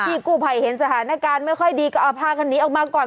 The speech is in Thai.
กู้ภัยเห็นสถานการณ์ไม่ค่อยดีก็เอาพากันหนีออกมาก่อน